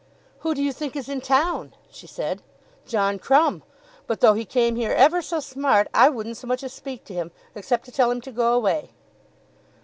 "Who do you think is in town?" she said. "John Crumb; but though he came here ever so smart, I wouldn't so much as speak to him, except to tell him to go away."